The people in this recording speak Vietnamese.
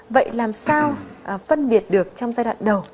vậy làm sao phân biệt được trong giai đoạn đầu